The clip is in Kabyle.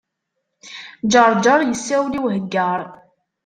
Ǧeṛǧeṛ yessawel i Uheggaṛ.